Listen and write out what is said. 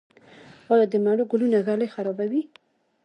آیا د مڼو ګلونه ږلۍ خرابوي؟